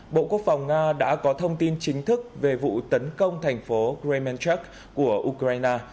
bộ quốc phòng nga đã có thông tin chính thức về vụ tấn công thành phố greenmanchek của ukraine